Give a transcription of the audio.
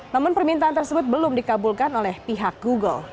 namun permintaan tersebut belum dikabulkan oleh pihak google